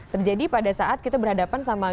terjadi pada saat kita berhadapan sama